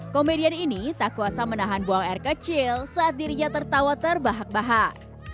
komedian ini tak kuasa menahan buang air kecil saat dirinya tertawa terbahak bahak